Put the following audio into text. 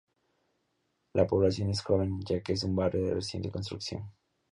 La población es joven, ya que es un barrio de reciente construcción.